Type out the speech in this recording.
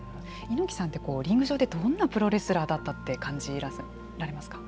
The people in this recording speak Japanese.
猪木さんってリング上でどんなプロレスラーだったって感じられますか。